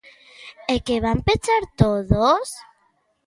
¿É que van pechar todos?